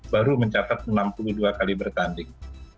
baru mencatat enam puluh dua kali bertanding